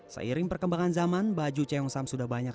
seiring perkembangan zaman baju ceyong sam sudah banyak